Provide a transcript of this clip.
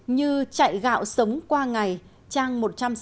như chạy gạo sống qua ngày trang một trăm sáu mươi